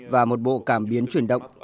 để biến chuyển động